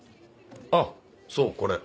あっそうこれ。